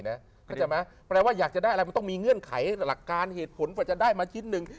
เข้าใจไหมแปลว่าอยากจะได้อะไรมันต้องมีเงื่อนไขหลักการเหตุผลกว่าจะได้มาชิ้นหนึ่ง